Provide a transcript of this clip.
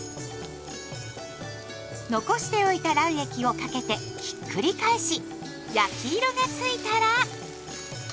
残しておいた卵液をかけてひっくり返し焼き色がついたら。